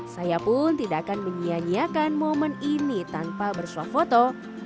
saya pun tidak akan menyianyiakan momen ini tanpa bersuah foto